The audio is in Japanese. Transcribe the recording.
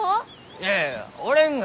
いやいや折れんが。